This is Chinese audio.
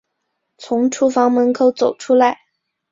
从厨房门口走出来